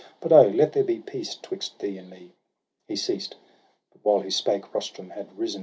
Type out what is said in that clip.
But oh, let there be peace 'tvvdxt thee and me !' He ceased, but while he spake, Rustum had risen.